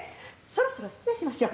そろそろ失礼しましょ。